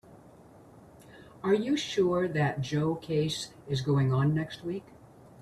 Are you sure that Joe case is going on next week?